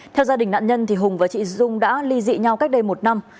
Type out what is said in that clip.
theo gia đình nạn nhân hùng và chị dung đã ly dị nhau cách đây một năm